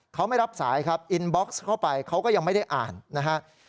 เขาไม่รับสายครับอินบ็อกซ์เข้าไปเขาก็ยังไม่ได้อ่านนะครับ